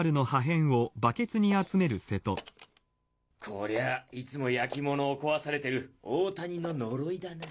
こりゃいつも焼き物を壊されてる大谷の呪いだな。